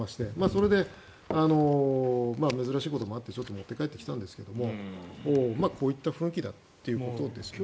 それで、珍しいことだなと思ってちょっと持って帰ってきたんですがこういった雰囲気だということですよね。